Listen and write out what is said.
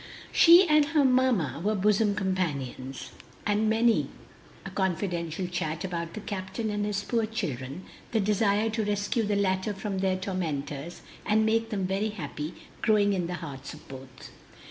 She and her mamma were bosom companions, and had many a confidential chat about the captain and his poor children, the desire to rescue the latter from their tormentors and make them very happy growing in the hearts of both.